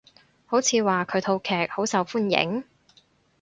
好似話佢套劇好受歡迎？